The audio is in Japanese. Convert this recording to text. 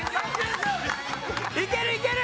いけるいける！